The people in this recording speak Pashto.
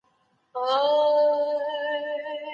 هر څه باید د عامه ګټو لپاره وي.